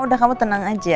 udah kamu tenang aja